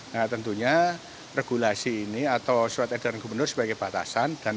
nah tentunya regulasi ini atau surat edaran gubernur sebagai batasan